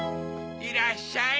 いらっしゃい。